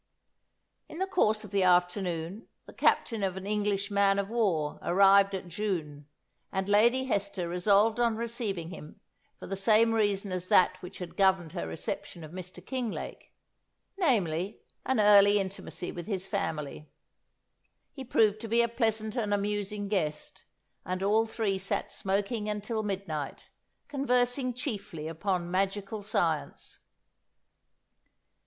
In the course of the afternoon, the captain of an English man of war arrived at Djoun, and Lady Hester resolved on receiving him for the same reason as that which had governed her reception of Mr. Kinglake, namely, an early intimacy with his family. He proved to be a pleasant and amusing guest, and all three sat smoking until midnight, conversing chiefly upon magical science.